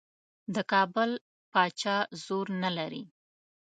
د کابل پاچا زور نه لري.